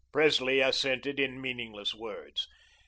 Presley assented in meaningless words.